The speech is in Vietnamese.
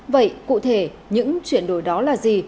vậy cụ thể những chuyển đổi đó là gì